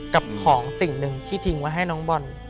กับของสิ่งหนึ่งที่ทิ้งไว้ให้น้องบอล